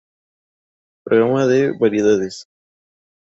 Programa de variedades".